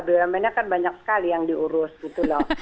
bumn nya kan banyak sekali yang diurus gitu loh